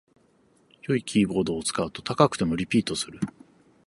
良いキーボードを使うと高くてもリピートする